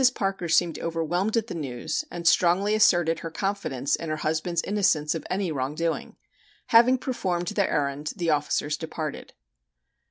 Parker seemed overwhelmed at the news and strongly asserted her confidence in her husband's innocence of any wrong doing. Having performed their errand the officers departed.